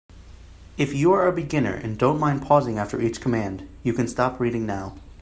If you are a beginner and don't mind pausing after each command, you can stop reading now.